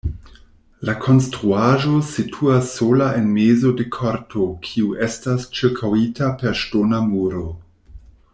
La konstruaĵo situas sola en mezo de korto, kiu estas ĉirkaŭita per ŝtona muro.